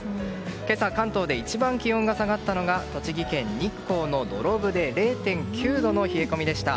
今朝、関東で一番気温が下がったのは栃木県日光の土呂部で０．９度の冷え込みでした。